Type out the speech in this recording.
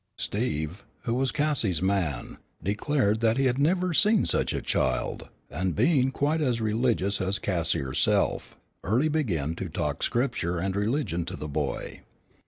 Steve, who was Cassie's man, declared that he had never seen such a child, and, being quite as religious as Cassie herself, early began to talk Scripture and religion to the boy.